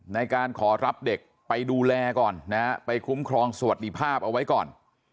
ในการขอรับเด็กไปดูแลก่อนนะฮะไปคุ้มครองสวัสดิภาพเอาไว้ก่อน